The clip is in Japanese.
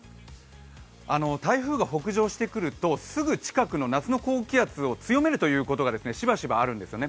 台風が北上してくると、すぐ近くの夏の高気圧を強めるということがしばしばあるんですよね。